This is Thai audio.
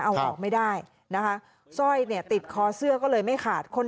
เอาออกไม่ได้นะคะสร้อยเนี่ยติดคอเสื้อก็เลยไม่ขาดคน